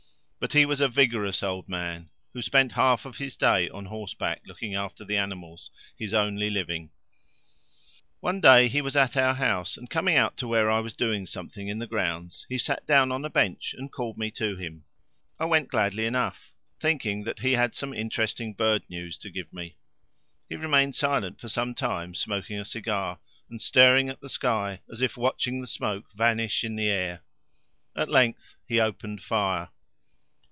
But he was a vigorous old man, who spent half of his day on horseback, looking after the animals, his only living. One day he was at our house, and coming out to where I was doing something in the grounds, he sat down on a bench and called me to him. I went gladly enough, thinking that he had some interesting bird news to give me. He remained silent for some time, smoking a cigar, and staring at the sky as if watching the smoke vanish in the air. At length he opened fire.